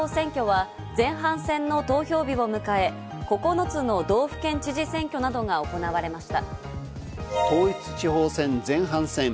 統一地方選挙は前半戦の投票日を迎え、９つの道府県知事選挙などが行われました。